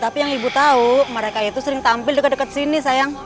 tapi yang ibu tahu mereka itu sering tampil dekat dekat sini sayang